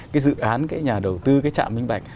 cái dự án cái nhà đầu tư cái trạm minh bạch